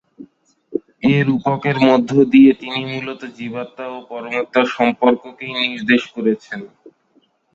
এ রূপকের মধ্য দিয়ে তিনি মূলত জীবাত্মা ও পরমাত্মার সম্পর্ককেই নির্দেশ করেছেন।